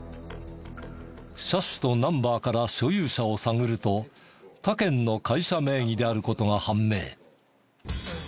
車種とナンバーから所有者を探ると他県の会社名義である事が判明。